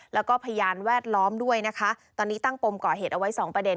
แล้วก็พยานแวดล้อมด้วยนะคะตอนนี้ตั้งปมก่อเหตุเอาไว้สองประเด็น